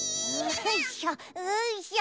よいしょうんしょ。